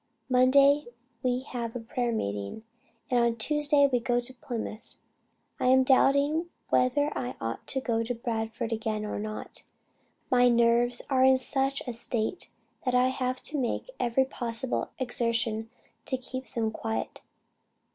Monday we have a prayer meeting, and on Tuesday we go to Plymouth. I am doubting whether I ought to go to Bradford again or not. My nerves are in such a state that I have to make every possible exertion to keep them quiet.